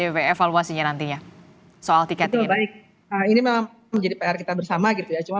evaluasinya nantinya soal tiket itu baik ini memang menjadi pr kita bersama gitu ya cuman